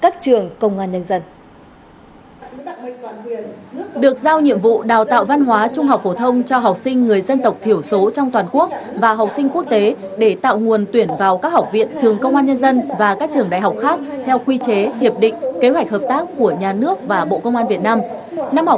trường văn hóa trung học phổ thông cho học sinh người dân tộc thiểu số trong toàn quốc và học sinh quốc tế để tạo nguồn tuyển vào các học viện trường công an nhân dân và các trường đại học khác theo quy chế hiệp định kế hoạch hợp tác của nhà nước và bộ công an việt nam